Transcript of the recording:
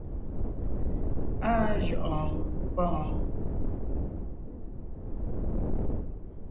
Áa jʉʼɔɔn páʼɔɔn.